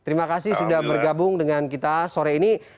terima kasih sudah bergabung dengan kita sore ini